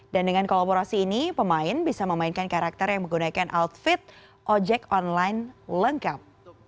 dan dengan kolaborasi ini pemain bisa memainkan karakter yang menggunakan outfit ojek online lengkap